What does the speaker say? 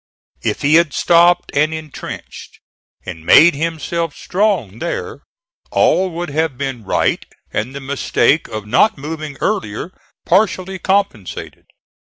If he had stopped and intrenched, and made himself strong there, all would have been right and the mistake of not moving earlier partially compensated.